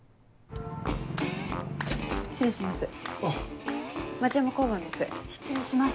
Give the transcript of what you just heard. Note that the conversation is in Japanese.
失礼します